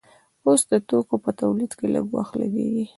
اوس د توکو په تولید لږ وخت لګیږي.